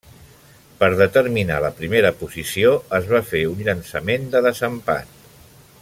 Per determinar la primera posició es va fer un llançament de desempat.